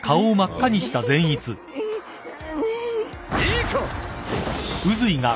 いいか！